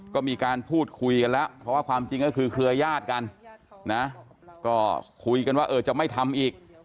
ก็มีการพูดคุยกันแล้วเพราะว่าความจริงก็คือเครือญาติกันนะก็คุยกันว่าเออจะไม่ทำอีก